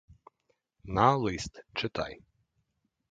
На лист — читай!